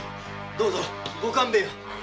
どうぞご勘弁を。